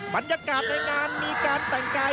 บรรยากาศในงานมีการแต่งกาย